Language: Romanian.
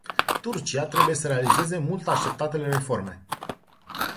Turcia trebuie să realizeze mult așteptatele reforme.